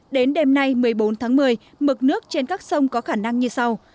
đến đêm nay một mươi bốn tháng một mươi mực nước trên các sông có khả năng như sau